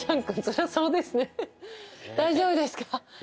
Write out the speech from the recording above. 大丈夫ですか？